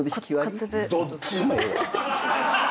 どっちでもええわ。